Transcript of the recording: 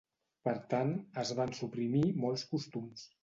Per tant, es van suprimir molts costums.